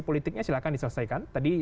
politiknya silahkan diselesaikan tadi